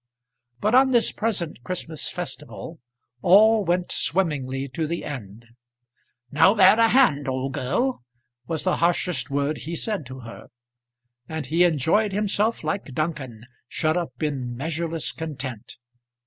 But on this present Christmas festival all went swimmingly to the end. "Now, bear a hand, old girl," was the harshest word he said to her; and he enjoyed himself like Duncan, shut up in measureless content.